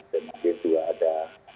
dan mungkin juga ada